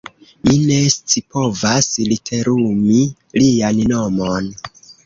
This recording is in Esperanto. Mi ne scipovas literumi lian nomon.